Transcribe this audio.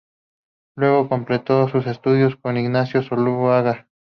Luego completó sus estudios con Ignacio Zuloaga.